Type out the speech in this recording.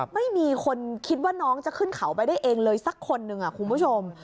ไม่มีคนคิดว่าน้องจะขึ้นเขาไปได้เองเลยสักคนหนึ่งคุณผู้ชม